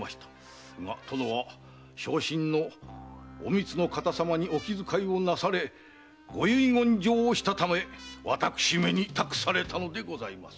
が殿は傷心のお美津の方様にお気遣いをなされご遺言状をしたため私めに託されたのでございます。